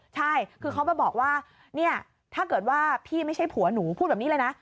ใช่คือเขามาบอกว่าเนี่ยถ้าเกิดว่าพี่ไม่ใช่ผัวหนูพูดแบบนี้เลยนะ